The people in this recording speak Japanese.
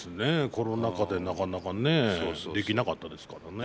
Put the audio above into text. コロナ禍でなかなかねできなかったですからね。